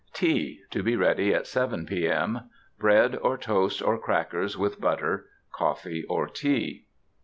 TEA. To be ready at 7 P. M. Bread or Toast or Crackers, with Butter. Coffee or Tea.